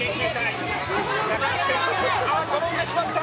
転んでしまった！